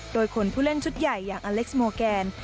โดยขนผู้เล่นชุดใหญ่อย่างอเล็กซ์โมแกน